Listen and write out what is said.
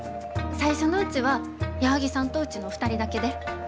最初のうちは矢作さんとうちの２人だけで。